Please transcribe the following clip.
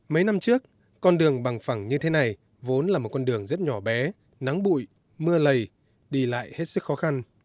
mấy năm trước con đường bằng phẳng như thế này vốn là một con đường rất nhỏ bé nắng bụi mưa lầy đi lại hết sức khó khăn